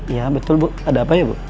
iya betul bu ada apa ya bu